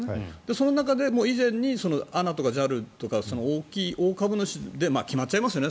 その中でも、以前にＡＮＡとかＪＡＬとか大株主で決まっちゃいますよね